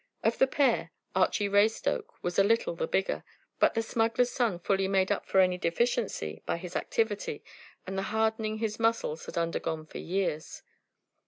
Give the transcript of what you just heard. Of the pair, Archy Raystoke was a little the bigger, but the smuggler's son fully made up for any deficiency by his activity, and the hardening his muscles had undergone for years.